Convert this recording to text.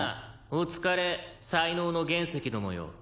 お疲れ才能の原石どもよ」